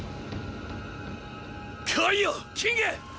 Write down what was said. こいよキング！